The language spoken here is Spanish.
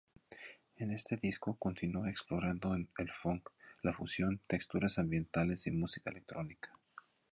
En este disco continúa explorando el funk, la fusión, texturas ambientales y música electrónica.